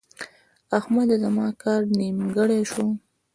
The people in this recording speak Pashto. احمده! زما کار نیمګړی شو.